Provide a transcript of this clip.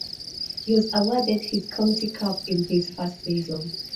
He was awarded his county cap in his first season.